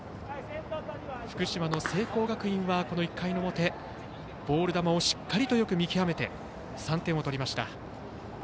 福島の聖光学院は１回の表、ボール球をしっかりとよく見極めて３点を取りました。